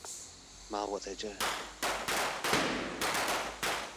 媽我在這